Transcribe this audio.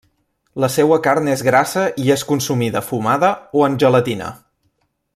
La seua carn és grassa i és consumida fumada o en gelatina.